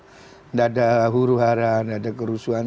tidak ada huru hara tidak ada kerusuhan